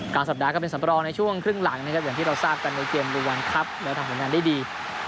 กลางสัปดาห์ก็เป็นสัมพลาดในช่วงครึ่งหลังนะครับอย่างที่เราทราบกันในเกมลวนวันครับแล้วทำงานได้ดี